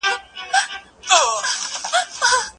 که ماشوم وډارول سي نو جرأت یې له منځه ځي.